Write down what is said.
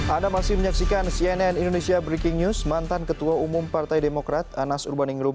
anda masih menyaksikan cnn indonesia breaking news mantan ketua umum partai demokrat anas urbaningrum